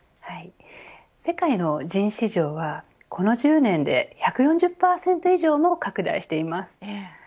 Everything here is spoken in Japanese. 世界のジン市場はこの１０年で１４０％以上も拡大しています。